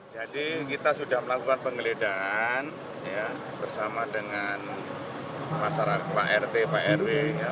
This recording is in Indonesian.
jadi kita sudah melakukan penggeledahan bersama dengan masyarakat pak rt pak rw